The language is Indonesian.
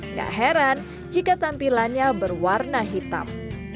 nggak heran jika tampilannya berwarna hitam